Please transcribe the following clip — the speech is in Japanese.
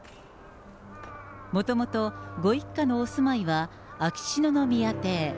もともと、ご一家のお住まいは、秋篠宮邸。